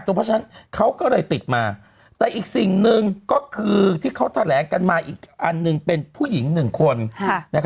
เพราะฉะนั้นเขาก็เลยติดมาแต่อีกสิ่งหนึ่งก็คือที่เขาแถลงกันมาอีกอันหนึ่งเป็นผู้หญิงหนึ่งคน